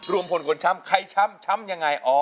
รวมพลคนช้ำใครช้ำช้ำยังไง